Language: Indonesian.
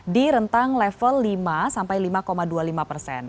di rentang level lima sampai lima dua puluh lima persen